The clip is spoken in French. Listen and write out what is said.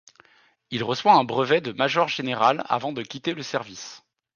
Il reçoit un brevet de major général avant de quitter le service.